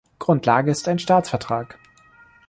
Grundlage ist ein Staatsvertrag.